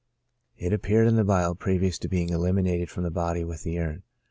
It appeared in the bile previous to being eliminated from the body with the urine.